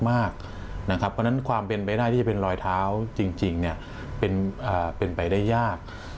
เพราะฉะนั้นความเป็นไปได้ที่จะเป็นรอยเท้าจริงเป็นไปได้ยาก